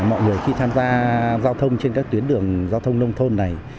mọi người khi tham gia giao thông trên các tuyến đường giao thông nông thôn này